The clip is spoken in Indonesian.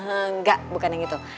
enggak bukan yang itu